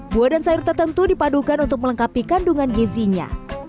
buah dan sayur tertentu dipadukan untuk melengkapi kandungan gizinya